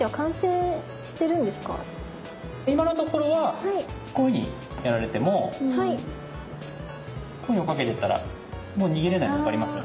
今のところはこういうふうにやられてもこう追っかけてったらもう逃げれないの分かります？